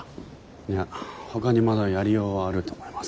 いやほかにまだやりようはあると思います。